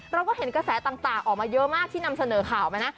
เราก็เห็นกระแสต่างออกมาเยอะมากที่นำเสนอข่าวมานะ